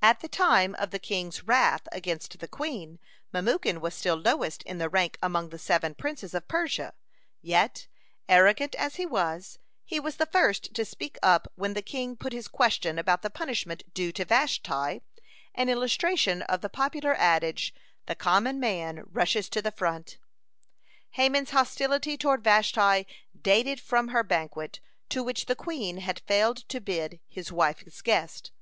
At the time of the king's wrath against the queen, Memucan was still lowest in the rank among the seven princes of Persia, yet, arrogant as he was, he was the first to speak up when the king put his question about the punishment due to Vashti an illustration of the popular adage: "The common man rushes to the front." (96) Haman's hostility toward Vashti dated from her banquet, to which the queen had failed to bid his wife as guest.